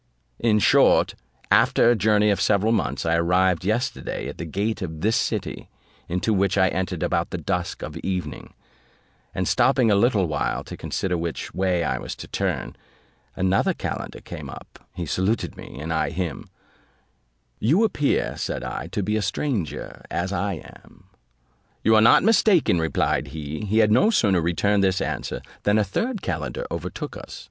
In short, after a journey of several months, I arrived yesterday at the gate of this city, into which I entered about the dusk of evening ; and stopping a little while to consider which way I was to turn, another calender came up; he saluted me, and I him: "You appear," said I, "to be a stranger, as I am." "You are not mistaken," replied he. He had no sooner returned this answer, than a third calender overtook us.